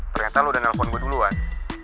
ternyata lo udah nelfon gue duluan